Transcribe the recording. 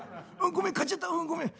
「ごめん買っちゃったうんごめん。